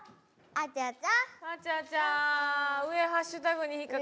あちゃちゃ。